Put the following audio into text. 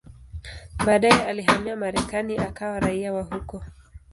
Baadaye alihamia Marekani akawa raia wa huko.